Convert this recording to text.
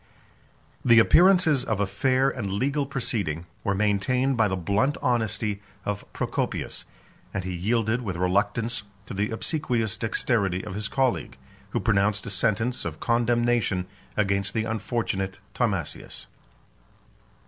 The appearances of a fair and legal proceeding were maintained by the blunt honesty of Procopius; and he yielded with reluctance to the obsequious dexterity of his colleague, who pronounced a sentence of condemnation against the unfortunate Timasius.